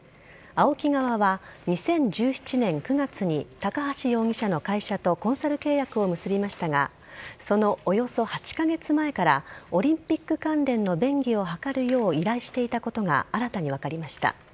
ＡＯＫＩ側は２０１７年９月に高橋容疑者の会社とコンサル契約を結びましたがそのおよそ８カ月前からオリンピック関連の便宜を図るよう依頼していたことが新たに分かりました。